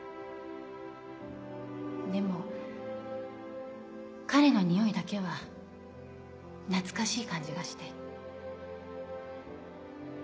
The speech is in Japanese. でも彼の匂いだけは懐かしい感じがして。